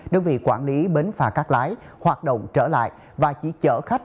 đưa vị quản lý bến phà cát lái hoạt động trở lại và chỉ chở khách